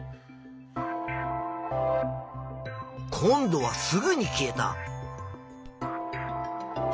今度はすぐに消えた。